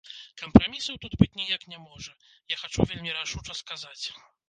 Кампрамісаў тут быць ніяк не можа, я хачу вельмі рашуча сказаць.